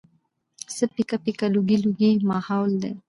څه پيکه پيکه لوګی لوګی ماحول دی